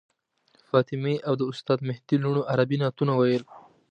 فاطمې او د استاد مهدي لوڼو عربي نعتونه ویل.